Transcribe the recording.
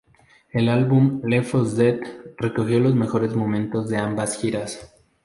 El álbum "Left for Dead" recogió los mejores momentos de ambas giras.